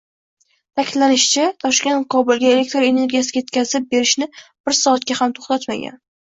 Ta’kidlanishicha, Toshkent Kobulga elektr energiyasi yetkazib erishni bir soatga ham to‘xtatmagan